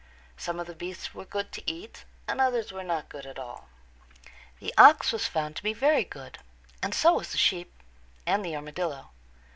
Some of the beasts were good to eat and others were not good at all. The ox was found to be very good, and so was the sheep, and the armadillo.